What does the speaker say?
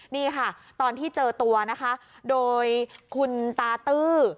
นี่ตอนที่เจอตัวโดยคุณตาตื้อ